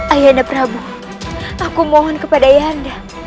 ayahanda prabu aku mohon kepada ayahanda